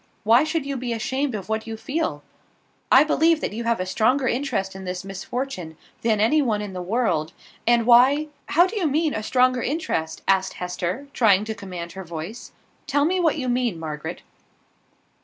Why should you be ashamed of what you feel? I believe that you have a stronger interest in this misfortune than any one in the world; and why " "How do you mean, a stronger interest?" asked Hester, trying to command her voice. "Tell me what you mean, Margaret."